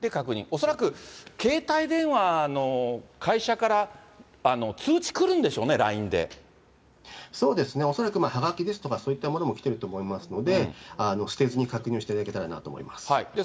恐らく携帯電話の会社から、通知来るんでしょうね、そうですね、恐らくはがきですとか、そういったものも来てると思いますので、捨てずに確認していただけたらなと思います。